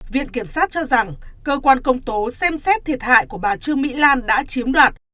viện kiểm sát cho rằng cơ quan công tố xem xét thiệt hại của bà trương mỹ lan đã chiếm đoạt